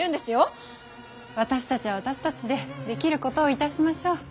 私たちは私たちでできることをいたしましょう。